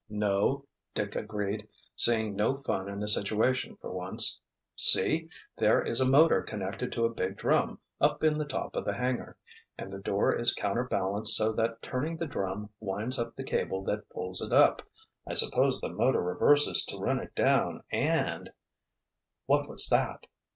"No," Dick agreed, seeing no fun in the situation for once. "See! There is a motor connected to a big drum up in the top of the hangar, and the door is counterbalanced so that turning the drum winds up the cable that pulls it up. I suppose the motor reverses to run it down and——" "What was that?"